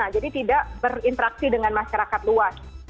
jadi tidak berinteraksi dengan masyarakat luas